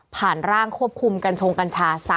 ผ่านร่างควบคุมกัญชงกัญชาซะ